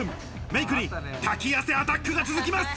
メイクに滝汗アタックが続きます。